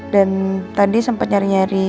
dan tadi sempet nyari nyari